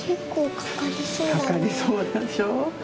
かかりそうでしょ。